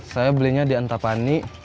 saya belinya di antapani